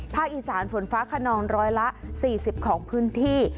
อีสานฝนฟ้าขนองร้อยละ๔๐ของพื้นที่